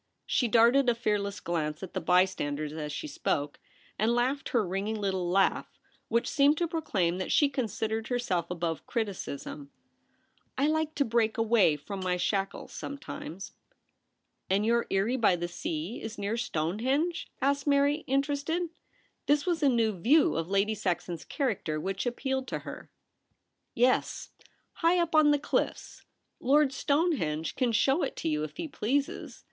She darted a fearless glance at the bystanders as she spoke, and laughed her ringing little laugh, which seemed to proclaim that she considered herself above criticism ;* I like to break away from my shackles sometimes.^ * And your eyry by the sea is near Stone henge ?' asked Mary, interested. This was a new view of Lady Saxon's character which appealed to hen * Yes, high up on the cliffs. Lord Stone henge can show it to you if he pleases.